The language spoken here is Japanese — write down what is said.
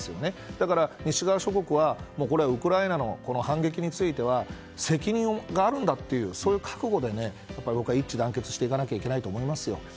だから、西側諸国はウクライナの反撃については責任があるだという覚悟で一致団結していかなければと思いますよ。